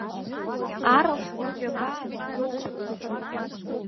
Арахә рџьабаа цәгьоуп.